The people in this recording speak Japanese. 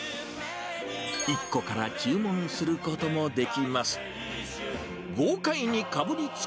１個から注文することもできます。